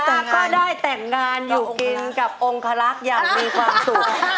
ก็ได้แต่งงานอยู่กินกับองคลักษณ์อย่างมีความสุข